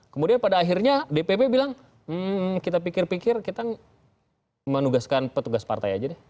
kemudian pada akhirnya dpp bilang kita pikir pikir kita menugaskan petugas partai aja deh